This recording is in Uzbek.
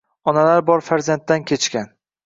Onalar bor farzanddan kechgan